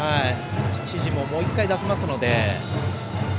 指示も、もう１回出せますので。